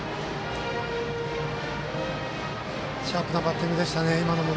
シャープなバッティングでしたね。